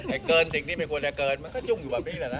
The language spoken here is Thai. เกินสิ่งที่ไม่ควรจะเกินมันก็ยุ่งอยู่แบบนี้แหละนะ